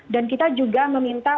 dan kita juga meminta